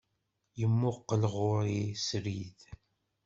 Yemmuqqel ɣur-i srid.